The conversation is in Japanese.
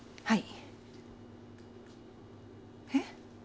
はい。